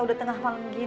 udah tengah malam begini